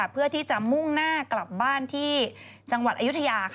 เพื่อที่จะมุ่งหน้ากลับบ้านที่จังหวัดอายุทยา